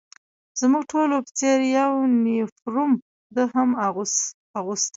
زموږ ټولو په څېر یونیفورم ده هم اغوسته.